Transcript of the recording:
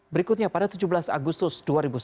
berikutnya pada tujuh belas agustus dua ribu sembilan belas